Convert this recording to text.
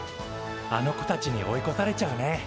あの子たちに追いこされちゃうね。